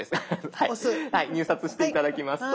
入札して頂きますと。